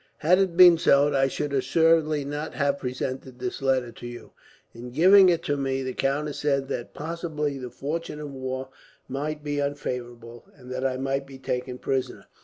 Had it been so, I should assuredly not have presented this letter to you. In giving it to me, the countess said that possibly the fortune of war might be unfavourable, and that I might be taken prisoner.